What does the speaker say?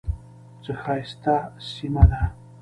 څه ښایسته سیمه ده .